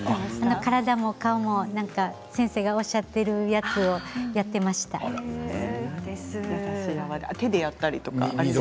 体も顔も先生がおっしゃっているやつを手でやったりとか？